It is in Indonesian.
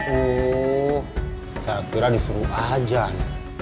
oh saya kira disuruh ajan